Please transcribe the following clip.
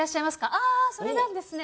あー、それなんですね。